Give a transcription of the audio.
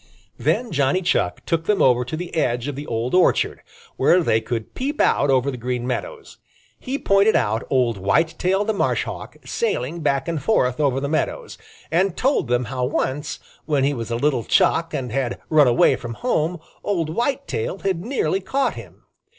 Then Johnny Chuck took them over to the edge of the old orchard, where they could peep out over the Green Meadows. He pointed out old Whitetail the Marshhawk, sailing back and forth over the meadows, and told them how once, when he was a little Chuck and had run away from home, old Whitetail had nearly caught him.